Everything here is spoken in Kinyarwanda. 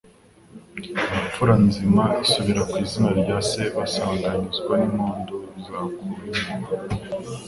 Imfura nzima isubira ku izina rya se, Basanganizwa n'impundu Zakura impuha.